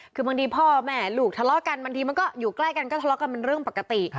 คือบางทีพ่อแม่ลูกทะเลาะกันบางทีมันก็อยู่ใกล้กันก็ทะเลาะกันเป็นเรื่องปกติ